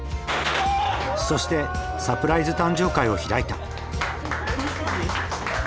そしてサプライズ誕生会を開いた。